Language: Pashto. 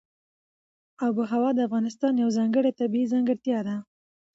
آب وهوا د افغانستان یوه ځانګړې طبیعي ځانګړتیا ده.